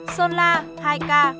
sơn la hai ca